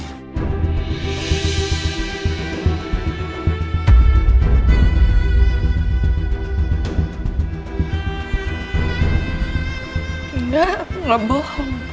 tidak aku gak bohong